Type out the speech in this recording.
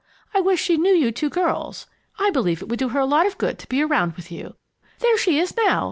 I wish she knew you two girls. I believe it would do her a lot of good to be around with you. There she is now!"